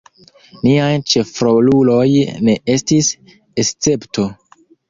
Niaj ĉefroluloj ne estis escepto.